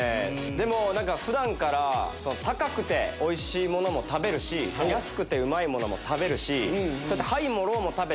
でも普段から高くておいしいものも食べるし安くてうまいものも食べるし。